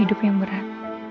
hidup yang berat